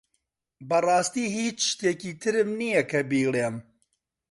بەڕاستی هیچ شتێکی ترم نییە کە بیڵێم.